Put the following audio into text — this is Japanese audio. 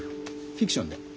フィクションで。